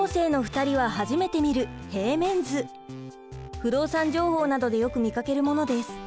不動産情報などでよく見かけるものです。